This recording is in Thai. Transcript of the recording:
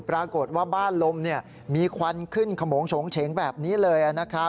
ปรากฏว่าบ้านลมมีควันขึ้นขมงโฉงเฉงแบบนี้เลย